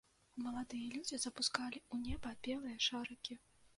Маладыя людзі запускалі ў неба белыя шарыкі.